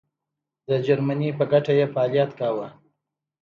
د جرمني په ګټه یې فعالیت کاوه.